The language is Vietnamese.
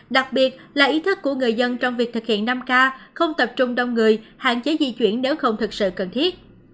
đặc biệt là ý thức của người dân trong việc thực hiện năm k không tập trung đông người hạn chế di chuyển nếu không thực sự cần thiết